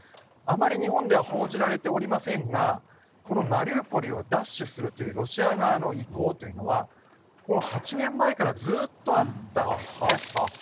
あまり日本では報じられておりませんが、このマリウポリを奪取するというロシア側の意向というのは、８年前からずっとあったんですね。